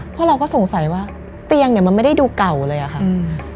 เพราะเราก็สงสัยว่าเตียงเนี่ยมันไม่ได้ดูเก่าเลยอะค่ะ